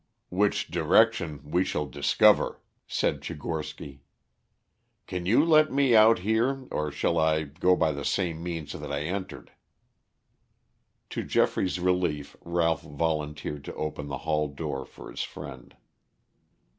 "Which direction we shall discover," said Tchigorsky. "Can you let me out here, or shall I go by the same means that I entered?" To Geoffrey's relief Ralph volunteered to open the hall door for his friend.